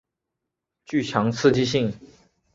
具强刺激性。